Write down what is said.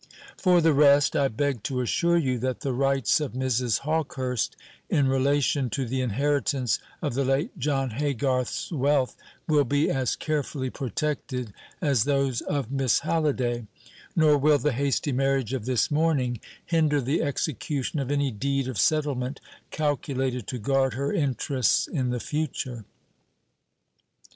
"For the rest, I beg to assure you that the rights of Mrs. Hawkehurst in relation to the inheritance of the late John Haygarth's wealth will be as carefully protected as those of Miss Halliday; nor will the hasty marriage of this morning hinder the execution of any deed of settlement calculated to guard her interests in the future.